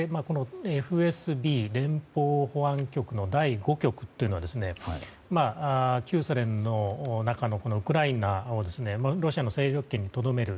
このＦＳＢ・連邦保安局の第５局というのは旧ソ連の中のウクライナをロシアの勢力圏にとどめる